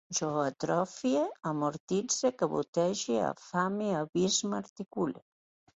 Jo atrofie, amortitze, cabotege, afame, abisme, articule